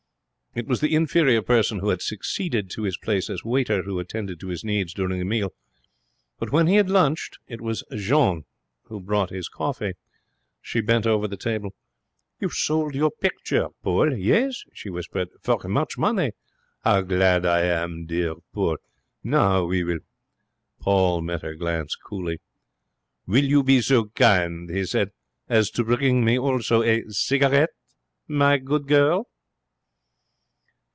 It was the inferior person who had succeeded to his place as waiter who attended to his needs during the meal; but when he had lunched it was Jeanne who brought his coffee. She bent over the table. 'You sold your picture, Paul yes?' she whispered. 'For much money? How glad I am, dear Paul. Now we will ' Paul met her glance coolly. 'Will you be so kind,' he said, 'as to bring me also a cigarette, my good girl?'